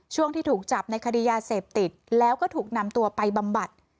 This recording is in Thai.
ช่วงที่ถูกจับในคดียาเสพติดแล้วก็ถูกนำตัวไปบำบัด